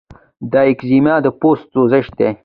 د ایکزیما د پوست سوزش دی.